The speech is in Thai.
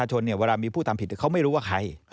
ชนเวลามีผู้ทำผิดเขาไม่รู้ว่าใคร